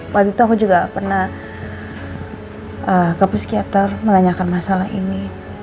waktu itu aku juga pernah ke psikiater menanyakan masalah ini